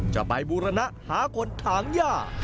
จะไปบูรณะหาคนถางย่า